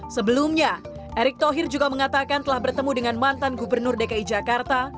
sebelumnya erick thohir juga mengatakan telah bertemu dengan mantan gubernur dki jakarta